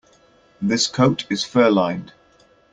This coat is fur-lined.